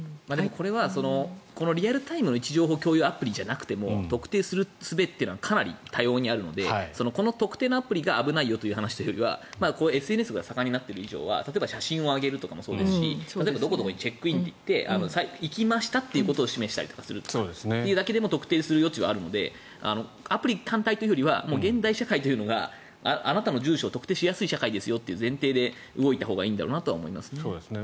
これはリアルタイムの位置情報共有アプリじゃなくても特定するすべってのはかなり多様にあるのでこの特定のアプリが危ないという話よりはＳＮＳが盛んになっている以上は例えば写真を上げることもそうですし例えばどこどこでチェックインと言って行きましたということを示したりするというだけでも特定する余地はあるのでアプリ単体というよりは現代社会というのがあなたの住所を特定しやすい社会ですよという前提で動いたほうがいいんだろうなと思いますね。